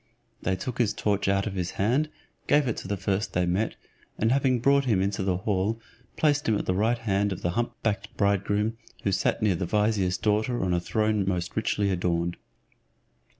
They took his torch out of his hand, gave it to the first they met, and having brought him into the hall, placed him at the right hand of the hump backed bridegroom, who sat near the vizier's daughter on a throne most richly adorned.